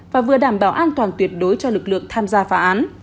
và vừa đảm bảo an toàn tuyệt đối cho lực lượng tham gia phá án